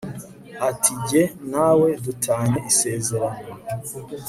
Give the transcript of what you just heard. ati jye nawe dutanye isezerano